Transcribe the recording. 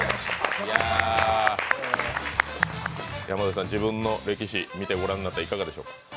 山添さん、自分の歴史見て御覧になっていかがでしょうか？